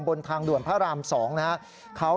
บนทางด่วนพระราม๒นะครับ